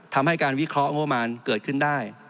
ทำให้การวิเคราะห์งบประมาณเกิดขึ้นได้